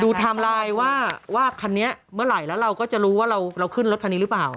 ไทม์ไลน์ว่าคันนี้เมื่อไหร่แล้วเราก็จะรู้ว่าเราขึ้นรถคันนี้หรือเปล่า